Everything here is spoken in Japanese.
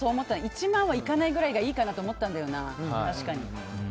１万はいかないぐらいがいいかなと思ったんだよな。